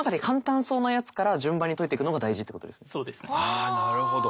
あなるほど。